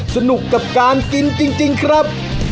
สนุกกับการกินจริงครับ